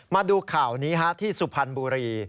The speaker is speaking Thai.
มาดูข่าวนี้ที่สุพรรณบุรี